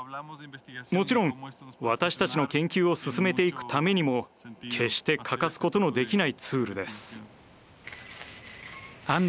もちろん私たちの研究を進めていくためにも決して欠かすことのできないツールです。